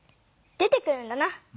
出てくるんだな。